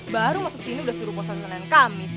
baru masuk sini udah suruh posan nganan kamis